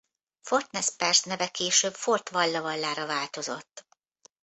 Fort Nez Perce neve később Fort Walla Wallára változott.